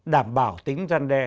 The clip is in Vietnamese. đảm bảo tính gian đe